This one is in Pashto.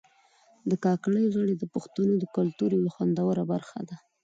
کاکړۍ غاړي د پښتنو کلتور یو خوندوره برخه ده